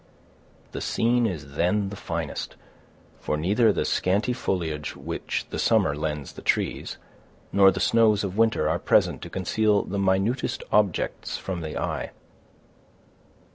The scene is then the finest, for neither the scanty foliage which the summer lends the trees, nor the snows of winter, are present to conceal the minutest objects from the eye.